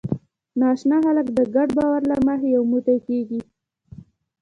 ناآشنا خلک د ګډ باور له مخې یو موټی کېږي.